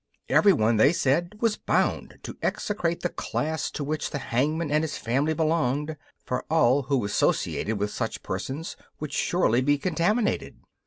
Everyone, they said, was bound to execrate the class to which the hangman and his family belonged, for all who associated with such persons would surely be contaminated.